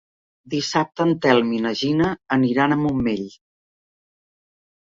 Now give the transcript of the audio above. Dissabte en Telm i na Gina aniran al Montmell.